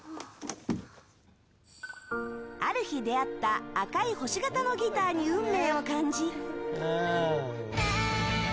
ある日出会った、赤い星型のギターに運命を感じ。